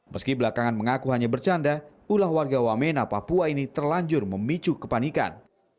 meski belakangan mengaku hanya bercanda ulah warga wamena papua ini terlanjur memicu kepanikan